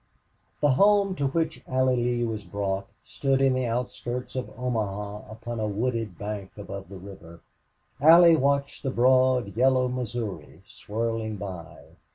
34 The home to which Allie Lee was brought stood in the outskirts of Omaha upon a wooded bank above the river. Allie watched the broad, yellow Missouri swirling by.